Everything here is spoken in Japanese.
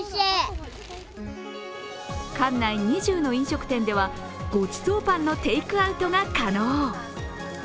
館内２０の飲食店では、ごちそうパンのテイクアウトが可能。